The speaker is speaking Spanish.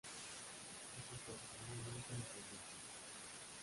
Es un proceso muy lento e inconsciente.